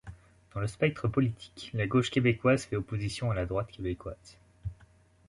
Dans le spectre politique, la gauche québécoise fait opposition à la droite québécoise.